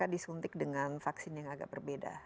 disuntik dengan vaksin yang agak berbeda